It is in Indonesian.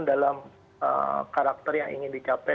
dalam karakter yang ingin dicapai